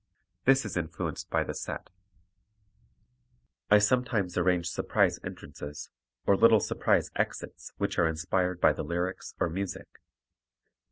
This is influenced by the set. I sometimes arrange surprise entrances, or little surprise exits which are inspired by the lyrics or music.